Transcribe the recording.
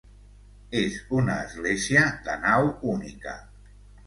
És una església de nau única.